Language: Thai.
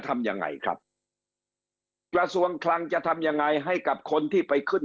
ทำยังไงครับกระทรวงคลังจะทำยังไงให้กับคนที่ไปขึ้น